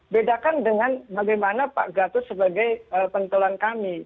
bedakan dengan bagaimana pak gatot sebagai pentolan kami